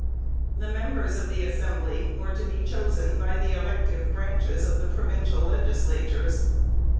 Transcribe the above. The members of the assembly were to be chosen by the elective branches of the provincial legislatures.